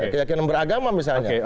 keyakinan beragama misalnya